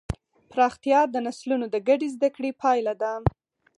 پراختیا د نسلونو د ګډې زدهکړې پایله ده.